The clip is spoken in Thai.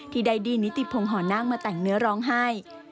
ไดดี้นิติพงศ์หอนาคมาแต่งเนื้อร้องไห้